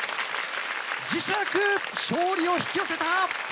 磁石勝利を引き寄せた！